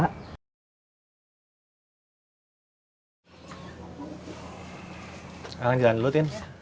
kalian jalan dulu tin